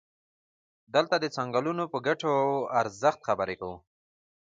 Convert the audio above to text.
دلته د څنګلونو په ګټو او ارزښت خبرې کوو.